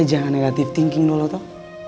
ali jangan negative thinking dulu tau